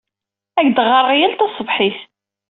Ad ak-d-ɣɣareɣ yal taṣebḥit.